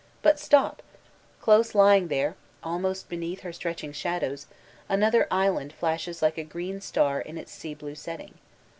But stop! Qose lying there, almost beneath her stretching shadows, another island flashes like a green star in its sea bine setting.